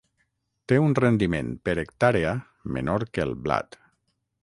Té un rendiment per hectàrea menor que el blat.